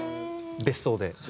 別荘で。